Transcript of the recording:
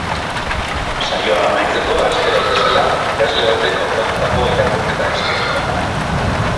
Saioa amaitzeko, astero bezala, idazle batek hautatutako irakurketa eskainiko da.